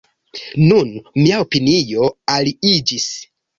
Nun mia opinio aliiĝis.